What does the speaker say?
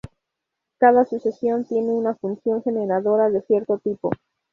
Cada sucesión tiene una función generadora de cierto tipo.